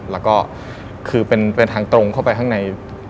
แล้วก็คือเป็นทางตรงเข้าไปข้างใน